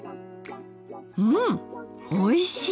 うんおいしい！